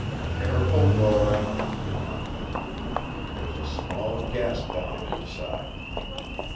"Careful, Dora," he admonished. "There's a small gas bomb inside."